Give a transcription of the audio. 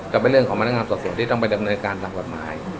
ก็เป็นเรื่องของพนักงานสอบสวนที่ต้องไปดำเนินการตามกฎหมาย